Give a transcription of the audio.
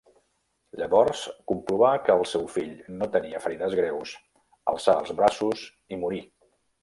Llavors comprovà que el seu fill no tenia ferides greus, alçà els braços i morí.